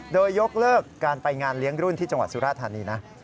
โดยยกเลิกการไปงานเลี้ยงรุ่นที่จังหวัดสุราธานีนะ